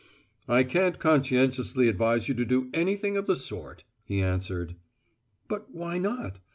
"I can't conscientiously advise you to do anything of the sort," he answered. "But why not?